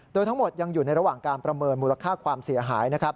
โดยทั้งหมดยังอยู่ในระหว่างการประเมินมูลค่าความเสียหายนะครับ